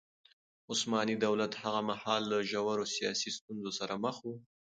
عثماني دولت هغه مهال له ژورو سياسي ستونزو سره مخ و.